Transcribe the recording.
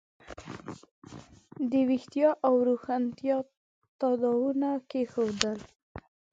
د ویښتیا او روښانتیا تاداوونه کېښودل.